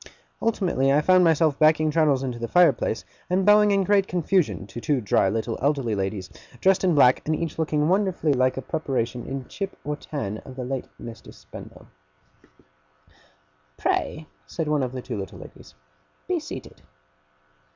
Ultimately I found myself backing Traddles into the fireplace, and bowing in great confusion to two dry little elderly ladies, dressed in black, and each looking wonderfully like a preparation in chip or tan of the late Mr. Spenlow. 'Pray,' said one of the two little ladies, 'be seated.